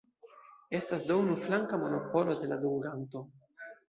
Estas do unuflanka monopolo de la dunganto.